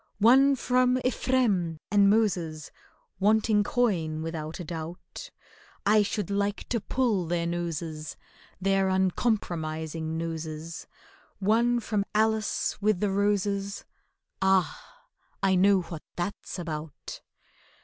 One from EPHRAIM and MOSES, Wanting coin without a doubt, I should like to pull their noses— Their uncompromising noses; One from ALICE with the roses— Ah, I know what that's about!